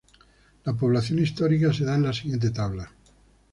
La población histórica se da en la siguiente tabla.